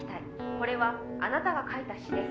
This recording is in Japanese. これはあなたが書いた詞です